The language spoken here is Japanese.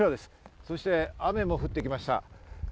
そして雨も降ってきました。